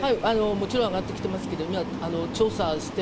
もちろん上がってきていますけど、調査して、